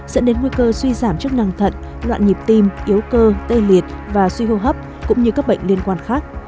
dẫn đến nguy cơ suy giảm chức năng thận loạn nhịp tim yếu cơ tê liệt và suy hô hấp cũng như các bệnh liên quan khác